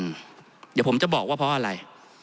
เดี๋ยวผมจะบอกว่าเพราะอะไร